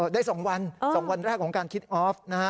ได้๒วันสองวันแรกของการคิดออฟต์